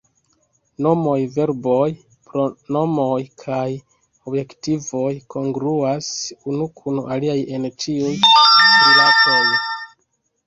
Nomoj, verboj, pronomoj kaj adjektivoj kongruas unu kun aliaj en ĉiuj rilatoj.